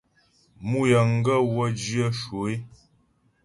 Mǔ yəŋgaə́ wə́ zhyə̂ shwə é.